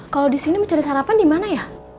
kalo disini mau cari sarapan dimana ya